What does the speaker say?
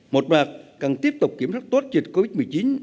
một mặt cần tiếp tục kiểm soát tốt dịch covid một mươi chín